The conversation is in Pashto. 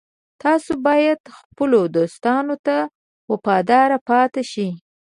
تاسو باید خپلو دوستانو ته وفادار پاتې شئ